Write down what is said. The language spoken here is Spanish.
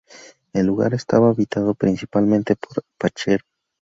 El lugar estaba habitado principalmente por pecheros.